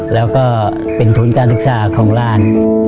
แล้วก็เป็นทุนการศึกษาของหลาน